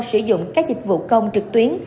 sử dụng các dịch vụ công trực tuyến